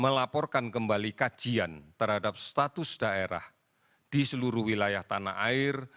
melaporkan kembali kajian terhadap status daerah di seluruh wilayah tanah air